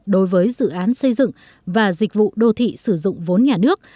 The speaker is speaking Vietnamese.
đối với dự án xây dựng và dịch vụ đô thị sử dụng vốn nhà nước